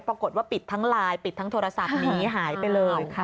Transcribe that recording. ปรากฏว่าปิดทั้งไลน์ปิดทั้งโทรศัพท์หนีหายไปเลย